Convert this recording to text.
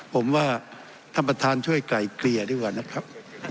ผมว่าท่านประธานช่วยไกลเกลี่ยดีกว่านะครับ